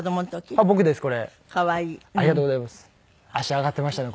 足上がってましたね